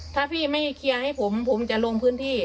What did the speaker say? ถ้าพี่ไม่เคลียร์ให้ผมผมจะลงพื้นที่